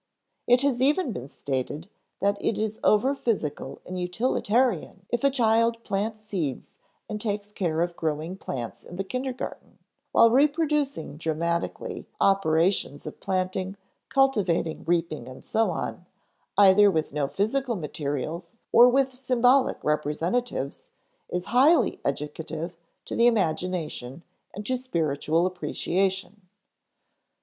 It has been even stated that it is over physical and utilitarian if a child plants seeds and takes care of growing plants in the kindergarten; while reproducing dramatically operations of planting, cultivating, reaping, and so on, either with no physical materials or with symbolic representatives, is highly educative to the imagination and to spiritual appreciation.